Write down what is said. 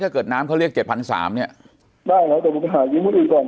ถ้าเกิดน้ำเขาเรียกเจ็ดพันสามเนี้ยได้ครับตกลง